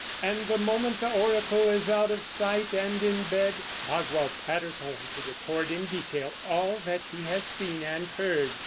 And the moment the oracle is out of sight and in bed, Boswell patters home to record in detail all that he has seen and heard.